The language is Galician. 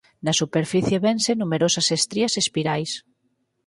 Na superficie vense numerosas estrías espirais.